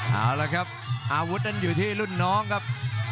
เอาละครับอาวุธนั้นอยู่ที่รุ่นน้องครับ